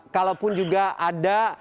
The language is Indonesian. kalaupun juga ada